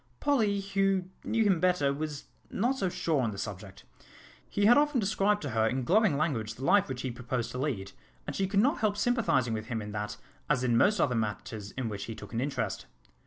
Polly, who knew him better, was not so sure on the subject. He had often described to her in glowing language the life which he proposed to lead, and she could not help sympathising with him in that as in most other matters in which he took an interest.